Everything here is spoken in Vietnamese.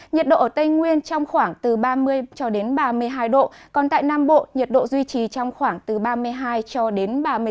nhiệt độ ở tây nguyên trong khoảng từ ba mươi ba mươi hai độ còn tại nam bộ nhiệt độ duy trì trong khoảng từ ba mươi hai ba mươi bốn độ